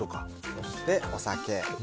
そして、お酒。